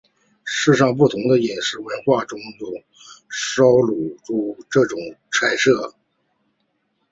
世界不同的饮食文化中都有烧乳猪这种菜色。